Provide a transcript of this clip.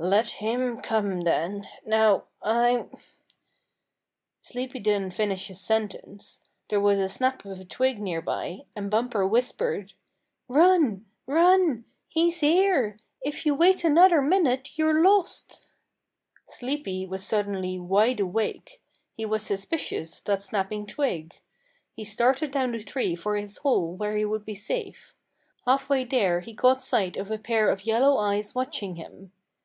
"Let him come then! Now I'm " Sleepy didn't finish his sentence. There was a snap of a twig nearby, and Bumper whispered: "Run! Run! He's here! If you wait another minute you're lost!" Sleepy was suddenly wide awake. He was suspicious of that snapping twig. He started down the tree for his hole where he would be safe. Half way there he caught sight of a pair of yellow eyes watching him.